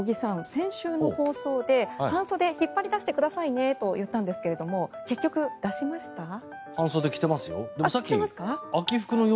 先週の放送で半袖を引っ張り出してくださいねと言ったんですけど半袖、着てますよ。